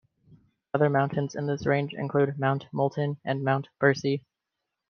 Other mountains in this range include Mount Moulton and Mount Bursey.